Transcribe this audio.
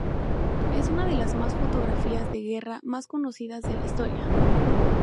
Es una de las más fotografías de guerra más conocidas de la historia.